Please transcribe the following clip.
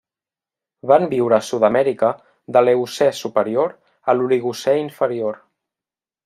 Van viure a Sud-amèrica de l'Eocè superior a l'Oligocè inferior.